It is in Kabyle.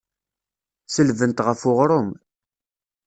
Selbent ɣef uɣrum.